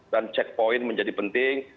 dan checkpoint menjadi penting